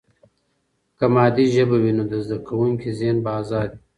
که مادي ژبه وي، نو د زده کوونکي ذهن به آزاد وي.